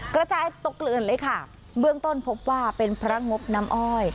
กระจายตกเกลือนเลยค่ะเบื้องต้นพบว่าเป็นพระงบน้ำอ้อย